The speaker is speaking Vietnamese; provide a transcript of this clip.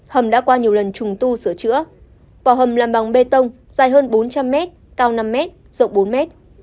hầm đã qua nhiều lần trùng tu sửa chữa bỏ hầm làm bằng bê tông dài hơn bốn trăm linh mét cao năm m rộng bốn mét